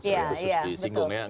saya khusus disinggung ya